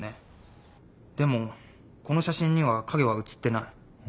でもこの写真には影は写ってない。